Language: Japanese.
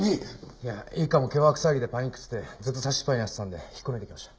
いや一課も脅迫騒ぎでパニクっててずっと挿しっぱになってたんで引っこ抜いてきました。